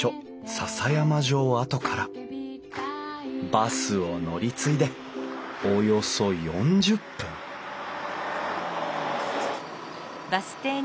篠山城跡からバスを乗り継いでおよそ４０分着いた。